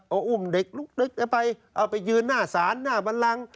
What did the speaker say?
เอาอุ้มเด็กลุกไปเอาไปยืนหน้าศาลหน้าบันลัง